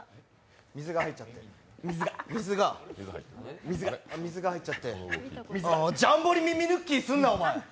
水が入っちゃって水が水が水があっ水が入っちゃって水がジャンボリミミヌッキーすんなお前！